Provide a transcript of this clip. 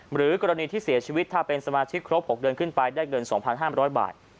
หรือกรณีที่เสียชีวิตถ้าเป็นสมาชิกครบ๖เดือนขึ้นไปได้เงิน๒๕๐๐บาท